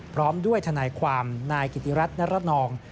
พร้อมด้วยทนายความนายกิติรัฐนรนอง